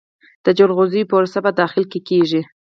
د جلغوزیو پروسس په داخل کې کیږي؟